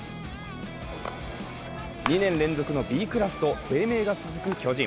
２年連続のＢクラスと低迷が続く巨人。